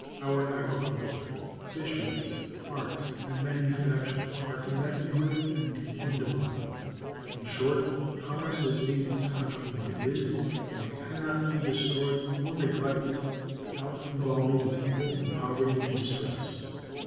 Our agriculture, fisheries, arts, and manufactures are connected with and depend upon it. In short, commerce has made this country what it is, and it can not be destroyed or neglected without involving the people in poverty and distress.